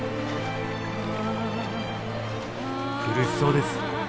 苦しそうです。